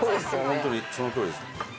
本当にそのとおりです。えっ！？